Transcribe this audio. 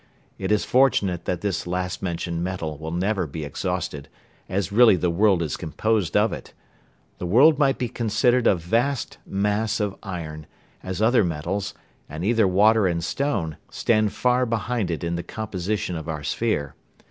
It is fortunate that this last mentioned metal will never be exhausted, as really the world is composed of it. The world might be considered a vast mass of iron, as other metals, and even water and stone, stand far behind it in the composition of our sphere.